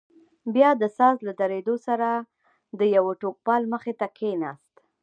بيا د ساز له درېدو سره د يوه ټوپکوال مخې ته کښېناست.